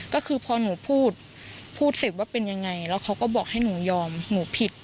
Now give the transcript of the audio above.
ก็คือพอหนูพูดพูดเสร็จว่าเป็นยังไงแล้วเขาก็บอกให้หนูยอมหนูผิด